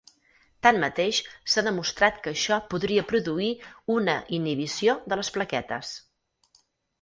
Tanmateix, s'ha demostrat que això podria produir una inhibició de les plaquetes.